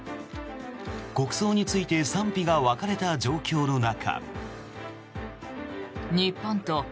国葬について賛否が分かれた状況の中。